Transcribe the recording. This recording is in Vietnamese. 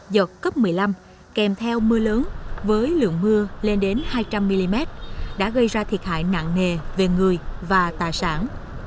giật cấp một mươi năm kèm theo mưa lớn với lượng mưa lên đến hai trăm linh mm đã gây ra thiệt hại nặng nề về người và tài sản